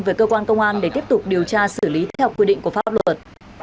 về cơ quan công an để tiếp tục điều tra xử lý theo quy định của pháp luật